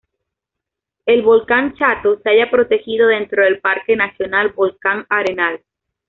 El volcán Chato se halla protegido dentro del Parque nacional Volcán Arenal.